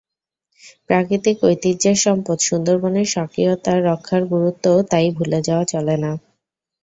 প্রাকৃতিক ঐতিহ্যের সম্পদ সুন্দরবনের স্বকীয়তা রক্ষার গুরুত্বও তাই ভুলে যাওয়া চলে না।